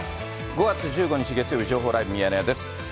５月１５日月曜日、情報ライブミヤネ屋です。